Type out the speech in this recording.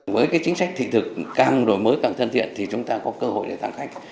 với chính sách thực thực càng mới càng thân thiện thì chúng ta có cơ hội để tăng khách